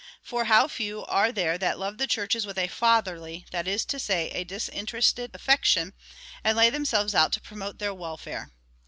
For how few are there that love the Churches with a. fatherly, that is to say, a disinterested affection, and lay themselves out to promote their welfare